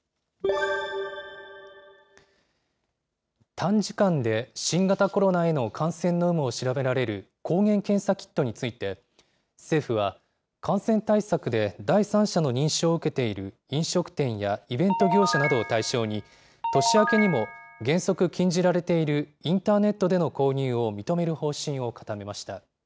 短時間で新型コロナへの感染の有無を調べられる抗原検査キットについて、政府は、感染対策で第三者の認証を受けている飲食店やイベント業者などを対象に、年明けにも原則、禁じられているインターネットでの購入を認める方針を固めました。